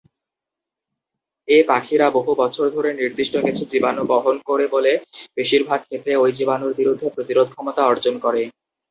এ পাখিরা বহু বছর ধরে নির্দিষ্ট কিছু জীবাণু বহন করে বলে বেশিরভাগ ক্ষেত্রে ঐ জীবাণুর বিরুদ্ধে প্রতিরোধ ক্ষমতা অর্জন করে।